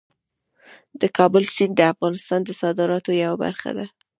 د کابل سیند د افغانستان د صادراتو یوه برخه ده.